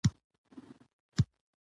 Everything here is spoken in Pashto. د قانون اطاعت نظم ټینګوي